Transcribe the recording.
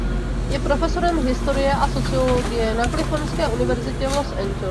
Je profesorem historie a sociologie na Kalifornské univerzitě v Los Angeles.